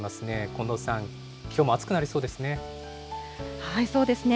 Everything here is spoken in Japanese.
近藤さん、きょうも暑くなりそうそうですね。